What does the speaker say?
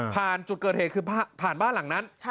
จุดเกิดเหตุคือผ่านบ้านหลังนั้น